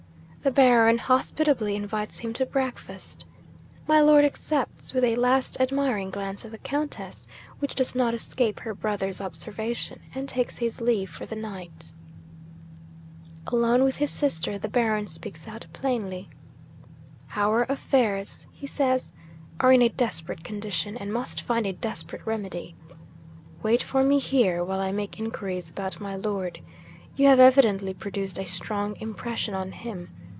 The Baron hospitably invites him to breakfast. My Lord accepts, with a last admiring glance at the Countess which does not escape her brother's observation, and takes his leave for the night. 'Alone with his sister, the Baron speaks out plainly. "Our affairs," he says, "are in a desperate condition, and must find a desperate remedy. Wait for me here, while I make inquiries about my Lord. You have evidently produced a strong impression on him.